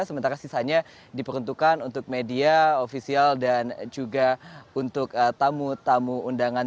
sementara sisanya diperuntukkan untuk media ofisial dan juga untuk tamu tamu undangan